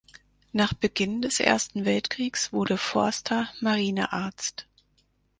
Nach Beginn des Ersten Weltkriegs wurde Forster Marinearzt.